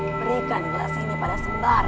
berikan gelas ini pada sembar